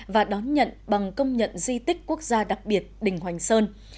và đón nhận bằng công nhận di tích quốc gia đặc biệt đình hoành sơn